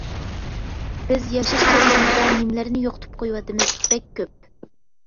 بىز ياشاش جەريانىدا نېمىلەرنى يوقىتىپ قويۇۋاتىمىز، بەك كۆپ.